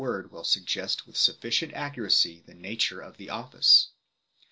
IL I word will suggest with sufficient accuracy the nature of the office.